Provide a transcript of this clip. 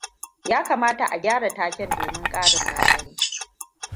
Ya kamata a gyara taken domin karin bayani.